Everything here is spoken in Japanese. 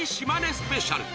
スペシャル